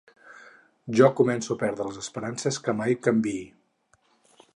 Ja començo a perdre les esperances que mai canviï.